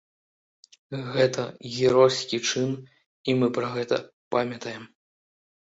Гэта геройскі чын і мы пра гэта памятаем.